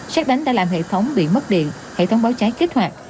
xét đánh đã làm hệ thống bị mất điện hệ thống báo cháy kích hoạt